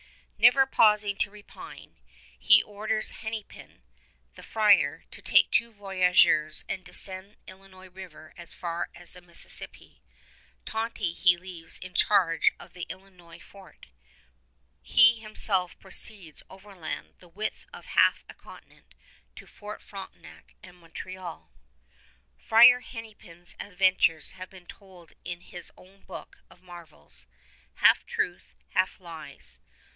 Never pausing to repine, he orders Hennepin, the friar, to take two voyageurs and descend Illinois River as far as the Mississippi. Tonty he leaves in charge of the Illinois fort. He himself proceeds overland the width of half a continent, to Fort Frontenac and Montreal. Friar Hennepin's adventures have been told in his own book of marvels, half truth, half lies.